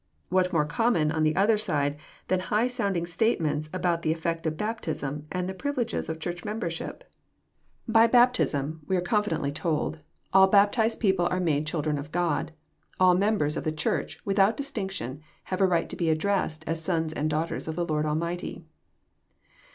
— What more common, on another side, than high sounding statements about the effect of baptism and the privileges of Church membership? JOHN, CHAP. Vm, 111 By baptism," we are confidently told, " all baptized people are made children of God ; all members of the Church, without distinction, have a right to be addressed as sons and daughters of the Lord Almighty.'